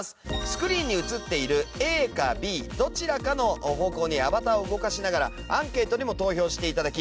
スクリーンに映っているＡかＢどちらかの方向にアバターを動かしながらアンケートにも投票して頂き